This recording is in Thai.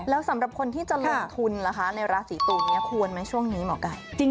แล้วสำหรับคนที่จะลงทุนล่ะคะในราศีตุลนี้ควรไหมช่วงนี้หมอไก่